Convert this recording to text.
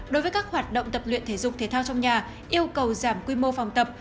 đối với các hoạt động tập luyện thể dục thể thao trong nhà yêu cầu giảm quy mô phòng tập